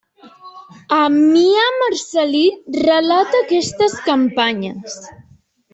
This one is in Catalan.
Ammià Marcel·lí relata aquestes campanyes.